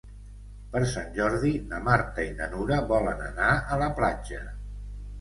Per Sant Jordi na Marta i na Nura volen anar a la platja.